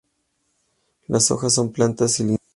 Las hojas son planas y lineares.